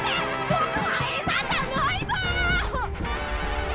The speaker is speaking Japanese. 僕はエサじゃないぞ！